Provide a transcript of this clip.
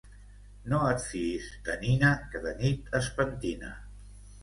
No et fiïs de nina que de nit es pentina.